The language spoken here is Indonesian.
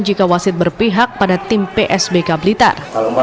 jika wasit berpihak pada tim psbk blitar